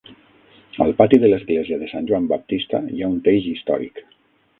Al pati de l'església de Sant Joan Baptista hi ha un teix històric.